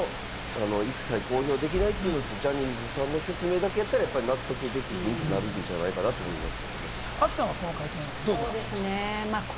そこの両方の一切公表できないという、ジャニーズさんの説明だけやったら、やっぱり納得できひんってなるんじゃないかなと思います。